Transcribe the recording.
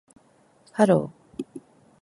Hello